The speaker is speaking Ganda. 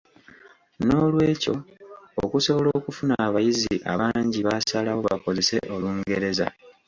"Noolwekyo, okusobola okufuna abayizi abangi baasalawo bakozese Olungereza."